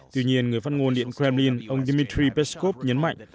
tuy nhiên người phát ngôn điện kremlin ông dmitry peskov nhấn mạnh